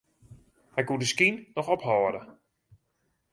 Hy koe de skyn noch ophâlde.